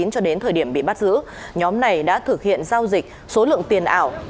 cho đến thời điểm bị bắt giữ nhóm này đã thực hiện giao dịch số lượng tiền ảo